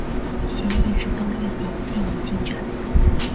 协议直到月底并无进展。